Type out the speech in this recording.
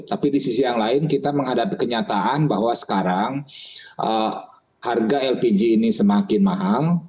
tapi di sisi yang lain kita menghadapi kenyataan bahwa sekarang harga lpg ini semakin mahal